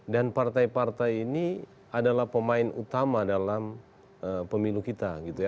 dan partai partai ini adalah pemain utama dalam pemilu kita gitu ya